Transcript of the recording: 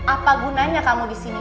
apa gunanya kamu di sini